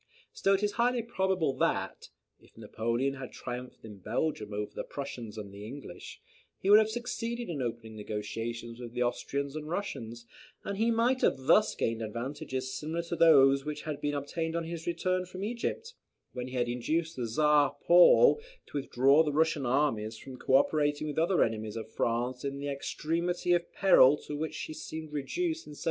Still it is highly probable that, if Napoleon had triumphed in Belgium over the Prussians and the English, he would have succeeded in opening negotiations with the Austrians and Russians; and he might have thus gained advantages similar to those which he had obtained on his return from Egypt, when he induced the Czar Paul to withdraw the Russian armies from co operating with the other enemies of France in the extremity of peril to which she seemed reduced in 1799.